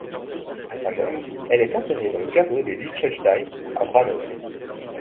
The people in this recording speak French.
À sa mort, elle est enterrée dans le caveau des Liechtenstein à Vranov.